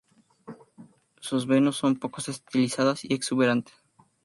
Sus Venus son poco estilizadas y exuberantes.